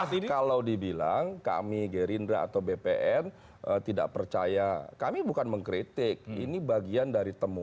jadi kalau dibilang kami gerindra atau bpn tidak percaya kami bukan mengkritik ini bagian dari temuan